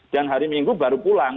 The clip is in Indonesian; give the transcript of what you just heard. dan hari minggu baru pulang